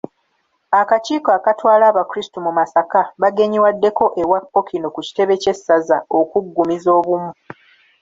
Akakiiko akatwala abakrisitu mu Masaka bagenyiwaddeko ewa Ppookino ku kitebe kye ssaza okuggumizza obumu.